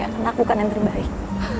anak bukan yang terbaik